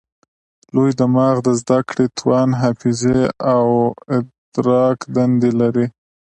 لوی دماغ د زده کړې، توان، حافظې او ادراک دندې لري.